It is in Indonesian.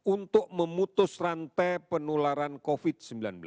untuk memutus rantai penularan covid sembilan belas